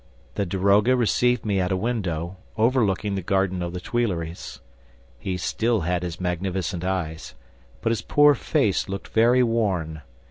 The daroga received me at a window overlooking the garden of the Tuileries. He still had his magnificent eyes, but his poor face looked very worn.